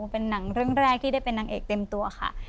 เป็นหนังเรื่องแรกที่ได้เป็นนางเอกเต็มตัวค่ะ